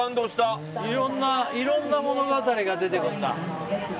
いろんな物語が出てきた。